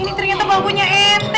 ini ternyata bangkunya enteng iya